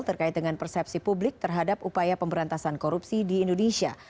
terkait dengan persepsi publik terhadap upaya pemberantasan korupsi di indonesia